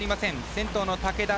先頭の竹田。